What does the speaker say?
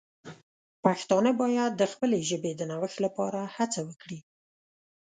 پښتانه باید د خپلې ژبې د نوښت لپاره هڅه وکړي.